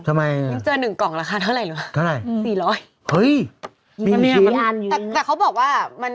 ทำไมยังเจอ๑กล่องราคาเท่าไหร่หรือเปล่าสี่ร้อยมีอีกชิ้นแต่เขาบอกว่า